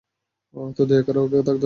তো দয়া করে, ওকে থাকতে দাও।